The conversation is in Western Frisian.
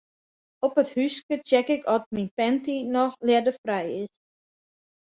Op it húske check ik oft myn panty noch ljedderfrij is.